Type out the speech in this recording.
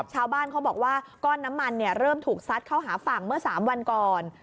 ชาวบ้านเขาบอกว่าก้อนน้ำมันเริ่มถูกซัดเข้าหาฝั่งเมื่อ๓วันก่อน